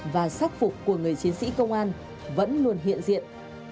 và sắc phục của người chiến sĩ công an vẫn luôn hiện diện